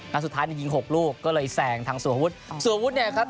แล้วสุดท้ายยิง๖ลูกก็เลยแซงทางสววุฒิสววุฒิเนี่ยครับ